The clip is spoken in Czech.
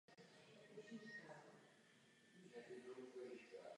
Byl členem parlamentního výboru pro veřejné služby a výboru pro ekonomické záležitosti.